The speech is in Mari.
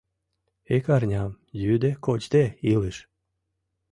Ик арням йӱде-кочде илыш...